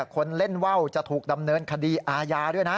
คนเล่นว่าวจะถูกดำเนินคดีอาญาด้วยนะ